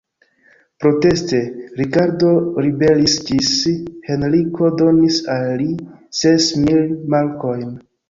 Proteste, Rikardo ribelis ĝis Henriko donis al li ses mil markojn.